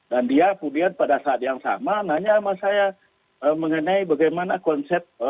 dan dia kemudian pada saat yang sama nanya sama saya mengenai bagaimana konsep